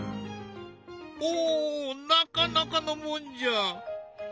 おなかなかのもんじゃ！